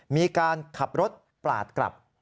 มีการขับรถปลาดกลับ